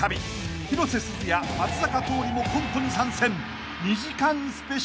［広瀬すずや松坂桃李もコントに参戦］